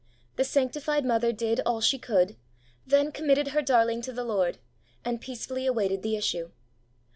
The sanctified mother did all she could, then committed her darling to the Lord, and peacefully awaited the issue.